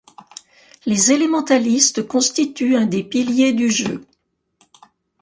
Les élémentalistes constituent un des piliers du jeu.